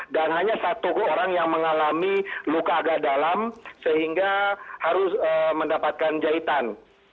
dan hanya satu orang yang mengalami luka agak dalam sehingga harus mendapatkan jahitan